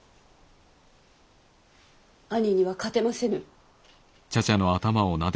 兄には勝てませぬ。